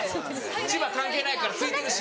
千葉関係ないからすいてるし。